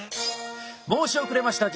申し遅れました